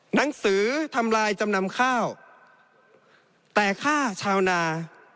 หนังสือทำลายจำนำข้าวแต่ฆ่าชาวนา